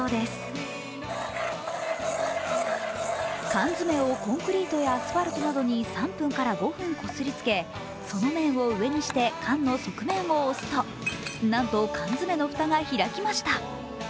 缶詰をコンクリートやアスファルトなどに３分から５分こすりつけ、その面を上にして缶の側面を押すとなんと缶詰のふたが開きました。